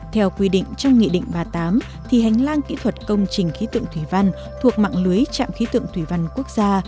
theo quy định trong nghị định ba mươi tám thì hành lang kỹ thuật công trình khí tượng thủy văn thuộc mạng lưới trạm khí tượng thủy văn quốc gia